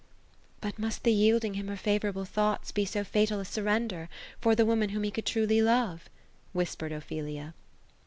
259 *^ But must the yielding him her favorable though U, be so fatal a Burrcnder, for the womaD whom he could love ?" whispered Opl)clia.